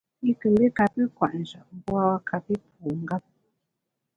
I nkù mbi kapi kwet njap, mbu a kapi pu ngap.